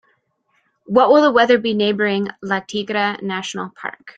What will the weather be neighboring La Tigra National Park?